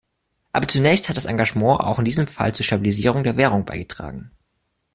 Aber zunächst hat das Engagement auch in diesem Fall zur Stabilisierung der Währung beigetragen.